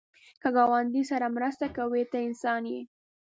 که ګاونډي سره مرسته کوې، ته انسان یې